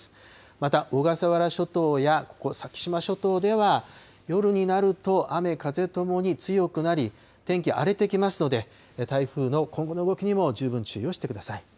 また小笠原諸島や、ここ、先島諸島では、夜になると、雨風ともに強くなり、天気、荒れてきますので、台風の今後の動きにも十分注意をしてください。